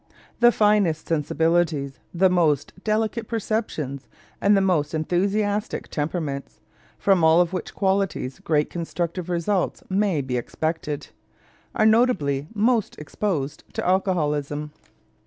The finest sensibilities, the most delicate perceptions, and the most enthusiastic temperaments from all of which qualities great constructive results may be expected are notably the most exposed to alcoholism.